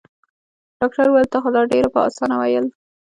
ډاکټر وويل تا خو دا ډېر په اسانه وويل.